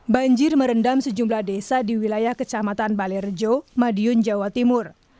banjir merendam sejumlah desa di wilayah kecamatan balerejo madiun jawa timur